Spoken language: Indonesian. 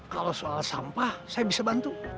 kalau soal sampah saya bisa bantu